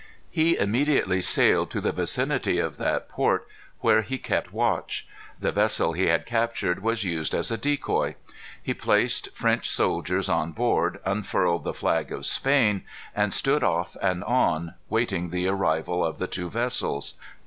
He immediately sailed to the vicinity of that port, where he kept watch. The vessel he had captured was used as a decoy. He placed French soldiers on board, unfurled the flag of Spain, and stood off and on, waiting the arrival of the two vessels.